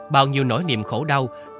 bao nhiêu nỗi niềm khổ đau